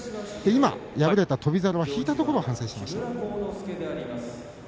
今、敗れた翔猿は引いたところを反省していました。